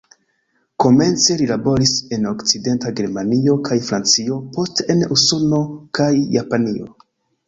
Komence li laboris en Okcidenta Germanio kaj Francio, poste en Usono kaj Japanio.